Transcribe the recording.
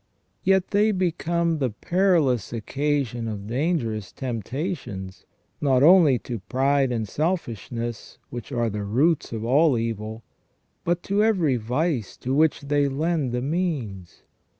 Yet they become the perilous occasion of dangerous temptations, not only to pride and selfishness, which are the roots of all evil, but to every vice to which they lend the means.